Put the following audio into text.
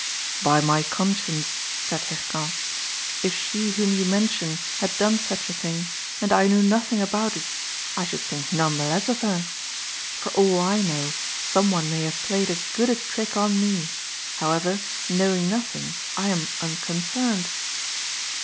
"By my conscience," said Hircan, "if she whom you mention had done such a thing, and I knew nothing about it, I should think none the less of her. For all I know, some one may have played as good a trick on me; however, knowing nothing, I am unconcerned."